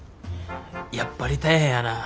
やっぱり大変やなぁ。